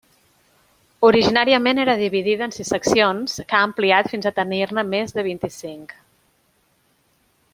Originàriament era dividida en sis seccions que ha ampliat fins a tenir-ne més de vint-i-cinc.